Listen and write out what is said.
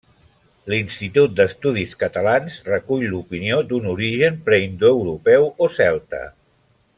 L'Institut d'Estudis Catalans recull l'opinió d'un origen preindoeuropeu o celta.